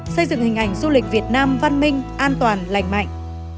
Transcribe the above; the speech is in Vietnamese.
xây dựng hình ảnh du lịch việt nam văn minh an toàn lành mạnh